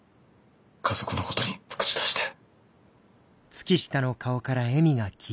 家族のことに口出して。